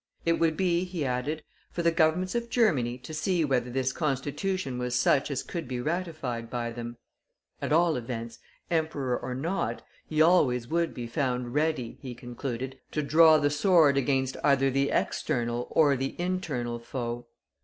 It would be, he added, for the Governments of Germany to see whether this Constitution was such as could be ratified by them. At all events, Emperor or not, he always would be found ready, he concluded, to draw the sword against either the external or the internal foe.